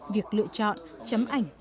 việc lựa chọn chấm ảnh